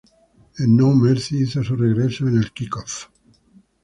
En No Mercy, hizo su regreso en el Kick-Off.